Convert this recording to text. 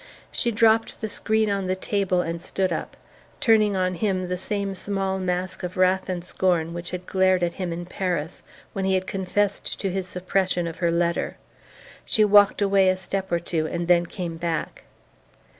She dropped the screen on the table and stood up, turning on him the same small mask of wrath and scorn which had glared at him, in Paris, when he had confessed to his suppression of her letter. She walked away a step or two and then came back.